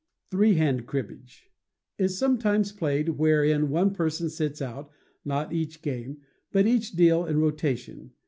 88. Three Hand Cribbage is sometimes played, wherein one person sits out, not each game, but each deal in rotation.